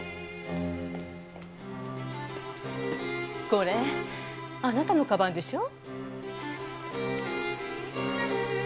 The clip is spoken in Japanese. これあなたのかばんでしょ？